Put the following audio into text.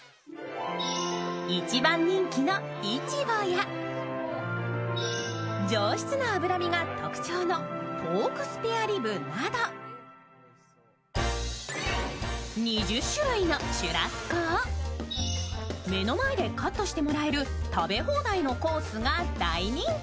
一番人気のイチボや上質な脂身が特徴のポークスペアリブなど２０種類のシュラスコを目の前でカットしてもらえる食べ放題のコースが大人気。